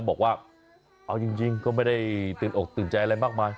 บอกว่าเอาจริงก็ไม่ได้ตื่นอกตื่นใจอะไรมากมาย